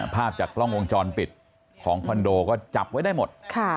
ภาพจากกล้องวงจรปิดของคอนโดก็จับไว้ได้หมด